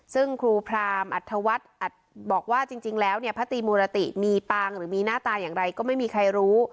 ซึ่งครูพรามอัธวัฒน์บอกว่าจริงแล้วเนี่ยพระตรีมุรติมีปางหรือมีหน้าตาอย่างไรก็ไม่มีใครรู้